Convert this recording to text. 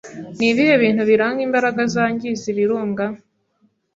Ni ibihe bintu biranga imbaraga zangizaIbirunga